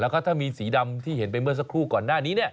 แล้วก็ถ้ามีสีดำที่เห็นไปเมื่อสักครู่ก่อนหน้านี้